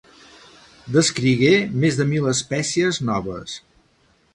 Descrigué més de mil espècies noves.